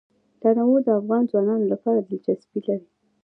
تنوع د افغان ځوانانو لپاره دلچسپي لري.